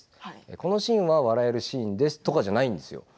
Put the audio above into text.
このシーンは笑えるシーンですというんじゃないですよ